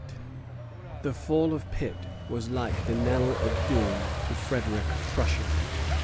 166. The fall of Pitt was like the knell of doom to Frederic of Prussia.